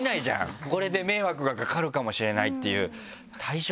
これで迷惑がかかるかもしれないっていう。